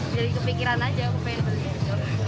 jadi kepikiran aja aku pengen beli